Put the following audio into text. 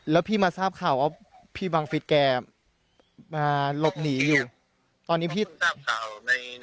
แล้วพี่มาทราบข่าวขอพี่บังฤษแกปาลบหนีอยู่ตอนนี้มี